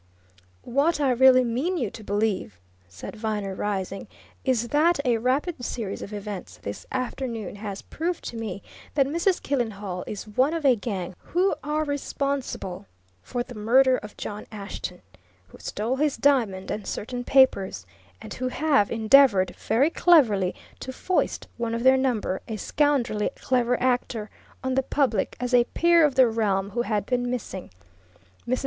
"What I really mean you to believe," said Viner, rising, "is that a rapid series of events this afternoon has proved to me that Mrs. Killenhall is one of a gang who are responsible for the murder of John Ashton, who stole his diamond and certain papers, and who have endeavoured, very cleverly, to foist one of their number, a scoundrelly clever actor, on the public, as a peer of the realm who had been missing. Mrs.